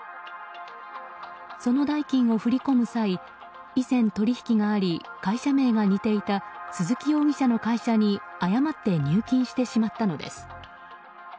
その代金を振り込む際以前、取引があり会社名が似ていた鈴木容疑者の会社に誤って入金してしまったのです。